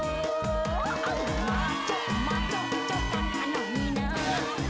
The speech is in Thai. มาโจ๊กมาโจ๊กโจ๊กกันหน่อยน่า